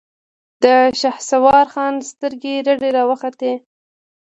د شهسوار خان سترګې رډې راوختې.